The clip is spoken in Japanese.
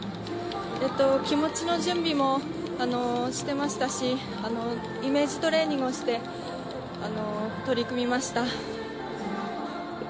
気持ちの準備もしていましたし、イメージトレーニングをして取り組みました。